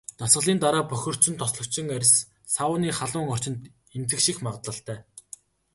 Дасгалын дараа бохирдсон, тослогжсон арьс сауны халуун орчинд эмзэгших магадлалтай.